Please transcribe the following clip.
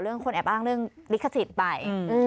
คนแอบอ้างเรื่องลิขสิทธิ์ไป